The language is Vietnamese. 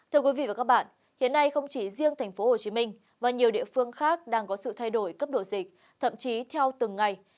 thưa quý vị và các bạn hiện nay không chỉ riêng thành phố hồ chí minh và nhiều địa phương khác đang có sự thay đổi cấp độ dịch thậm chí theo từng ngày